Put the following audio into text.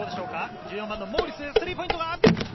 １４番のモウリス、スリーポイント。